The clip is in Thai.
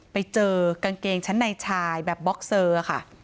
ไปเจอกางเกงชั้นในชายแบบบ็อกเซอร์ค่ะ